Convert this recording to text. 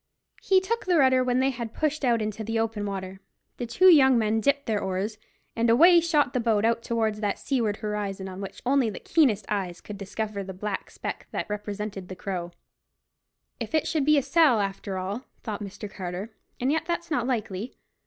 He took the rudder when they had pushed out into the open water, the two young men dipped their oars, and away the boat shot out towards that seaward horizon on which only the keenest eyes could discover the black speck that represented the Crow. "If it should be a sell, after all," thought Mr. Carter; "and yet that's not likely.